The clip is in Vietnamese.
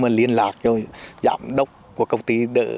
mà liên lạc cho giám đốc của công ty